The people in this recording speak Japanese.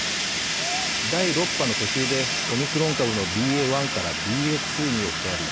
第６波の途中でオミクロン株のＢＡ．１からＢＡ．２に置き換わり